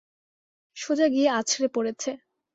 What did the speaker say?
সোজা গিয়ে আছড়ে পড়েছে।